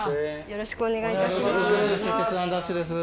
よろしくお願いします